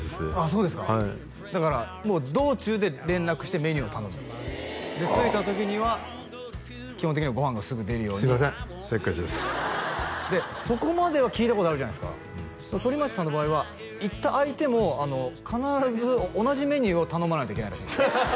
そうですかはいだからもう道中で連絡してメニューを頼む着いた時には基本的にはご飯がすぐ出るようにすいませんせっかちですでそこまでは聞いたことあるじゃないですか反町さんの場合は行った相手も必ず同じメニューを頼まないといけないらしいんですよ